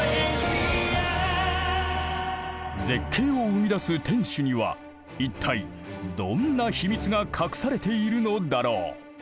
絶景を生み出す天守には一体どんな秘密が隠されているのだろう。